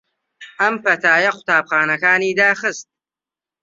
ئەم پەتایە قوتابخانەکانی داخست